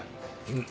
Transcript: うん。